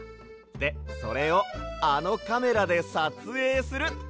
でそれをあのカメラでさつえいする！